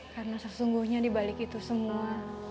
karena sesungguhnya dibalik itu semua